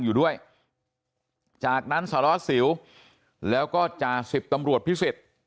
อยู่ด้วยจากนั้นสารวัตรสิวแล้วก็จะ๑๐ตำรวจพฤษ